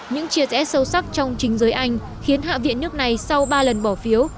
những chia rẽ sâu sắc trong chính giới anh khiến hạ viện nước này sau ba lần bỏ phiếu